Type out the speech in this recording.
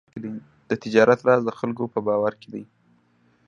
د تجارت راز د خلکو په باور کې دی.